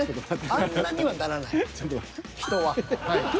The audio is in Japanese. あんなにはならない人は。